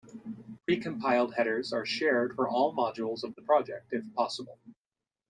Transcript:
Precompiled headers are shared for all modules of the project if possible.